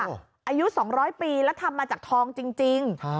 อายุ๒๐๐ปีแล้วทำมาจากทองจริง